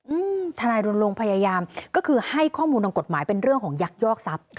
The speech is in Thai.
อืมทนายรณรงค์พยายามก็คือให้ข้อมูลทางกฎหมายเป็นเรื่องของยักยอกทรัพย์